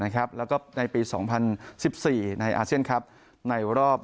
นะครับแล้วก็ในปีสองพันสิบสี่ในอาเซียนครับในรอบ